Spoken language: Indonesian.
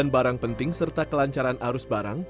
delapan barang penting serta kelancaran arus barang